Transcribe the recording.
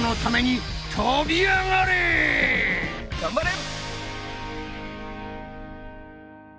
頑張れ！